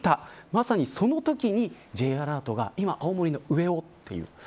まさにそのときに、Ｊアラートが今、青森の上をという。